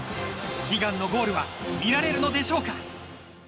悲願のゴールは見られるのでしょうか。